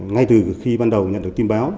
ngay từ khi ban đầu nhận được tin báo